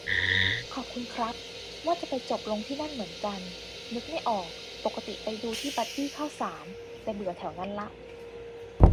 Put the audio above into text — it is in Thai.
ขอบคุณครับ ว่าจะไปจบลงที่นั่นเหมือนกัน นึกไม่ออก ปกติไปดูที่บัดดี้ข้าวสาร แต่เบื่อแถวนั้นละ